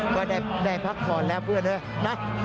ก็ได้พักผ่อนแล้วเพื่อนด้วยนะ